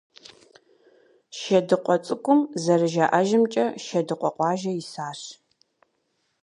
«Шэдыкъуэ цӀыкӀум», зэрыжаӀэжымкӀэ, Шэдыкъуэ къуажэ исащ.